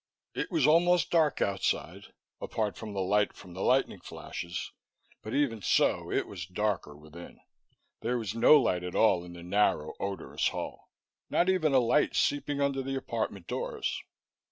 It was almost dark outside, apart from the light from the lightning flashes, but even so it was darker within. There was no light at all in the narrow, odorous hall; not even a light seeping under the apartment doors.